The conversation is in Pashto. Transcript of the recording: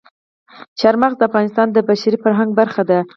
چار مغز د افغانستان د بشري فرهنګ برخه ده.